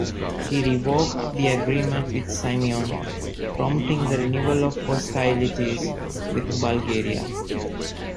She revoked the agreement with Simeon, prompting the renewal of hostilities with Bulgaria.